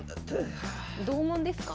同門ですか？